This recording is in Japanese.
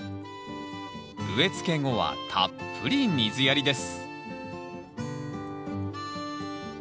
植えつけ後はたっぷり水やりです